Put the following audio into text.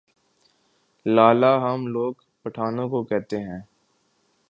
لالہ ہم لوگ پٹھانوں کو کہتے ہیں ۔